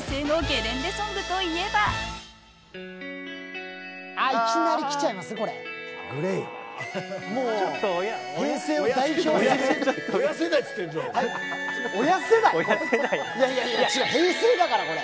いやいやいや平成だからこれ。